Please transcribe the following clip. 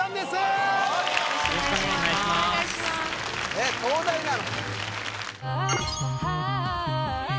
えっ東大なの？